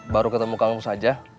baru ketemu kang mus aja